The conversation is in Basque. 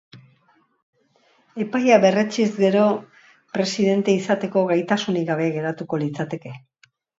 Epaia berretsiz gero, presidente izateko gaitasunik gabe geratuko litzateke.